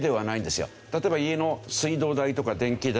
例えば家の水道代とか電気代。